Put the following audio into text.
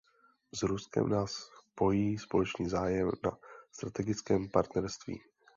S Ruskem nás pojí společný zájem na strategickém partnerství.